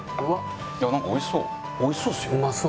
なんかおいしそう。